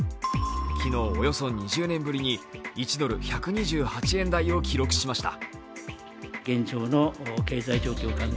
昨日およそ２０年ぶりに１ドル＝１２８円台を記録しました。